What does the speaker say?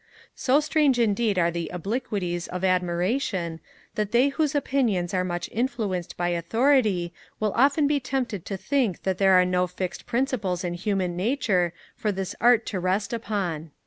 So strange indeed are the obliquities of admiration, that they whose opinions are much influenced by authority will often be tempted to think that there are no fixed principles in human nature for this art to rest upon.